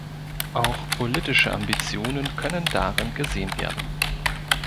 Auch politische Ambitionen können darin gesehen werden.